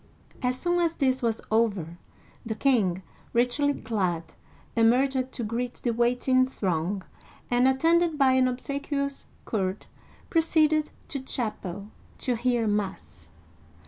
As soon as this was over, the king, richly clad, emerged to greet the waiting throng, and, attended by an obsequious court, proceeded to chapel to hear mass.